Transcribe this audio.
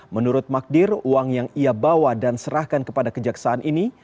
menurut magdir uang yang ia bawa dan serahkan kepada kejaksaan ini